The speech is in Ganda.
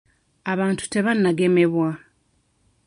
Abantu tebannagemebwa.